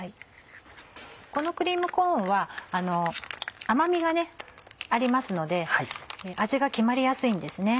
このクリームコーンは甘みがありますので味が決まりやすいんですね。